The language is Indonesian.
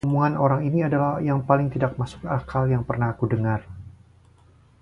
Omongan orang ini adalah yang paling tidak masuk akal yang pernah aku dengar!